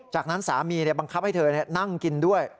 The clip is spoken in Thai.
จากนั้นสามีบังคับให้เธอนั่งกินด้วย